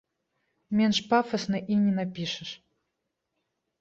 Менш пафасна і не напішаш.